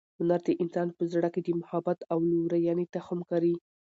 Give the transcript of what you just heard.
هنر د انسان په زړه کې د محبت او لورینې تخم کري.